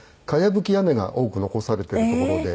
茅葺き屋根が多く残されている所で。